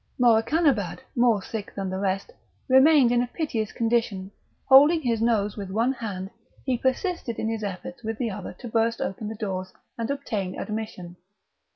Morakanabad, more sick than the rest, remained in a piteous condition; holding his nose with one hand, he persisted in his efforts with the other to burst open the doors and obtain admission.